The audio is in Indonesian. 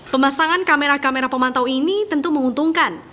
pemasangan kamera kamera pemantau ini tentu menguntungkan